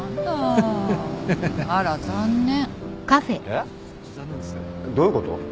えっ？どういうこと？